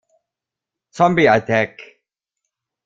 Zombie Attack!